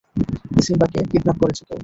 সিম্বাকে kidnap করেছে কেউ।